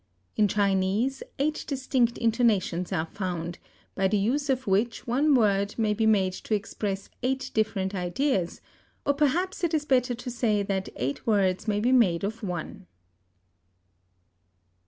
In Chinese eight distinct intonations are found, by the use of which one word may be made to express eight different ideas, or perhaps it is better to say that eight words may be made of one.